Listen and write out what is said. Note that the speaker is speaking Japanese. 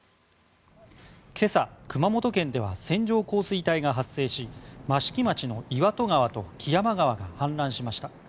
今朝、熊本県では線状降水帯が発生し益城町の岩戸川と木山川が氾濫しました。